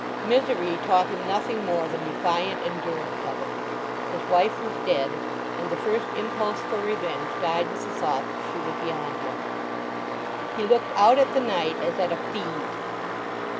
Misery taught him nothing more than defiant endurance of it. His wife was dead, and the first impulse for revenge died with the thought that she was beyond him. He looked out at the night as at a fiend.